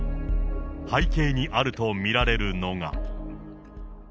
背景にあると見られるのが。